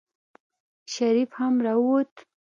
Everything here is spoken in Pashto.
شريف هم راووت.